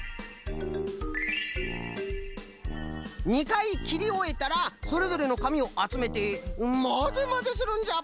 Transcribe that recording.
２かいきりおえたらそれぞれのかみをあつめてまぜまぜするんじゃ！